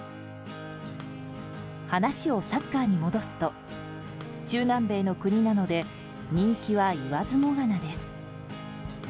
話をサッカーに戻すと中南米の国なので人気は言わずもがなです。